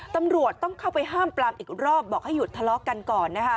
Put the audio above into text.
ตำรวจต้องเข้าไปห้ามปลามอีกรอบบอกให้หยุดทะเลาะกันก่อนนะคะ